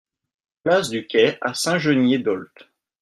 Place Du Quai à Saint-Geniez-d'Olt